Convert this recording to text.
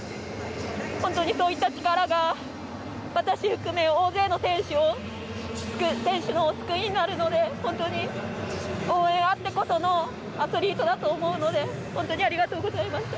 本当にそういった力が私含め大勢の選手の救いになるので本当に、応援あってこそのアスリートだと思うので本当にありがとうございました。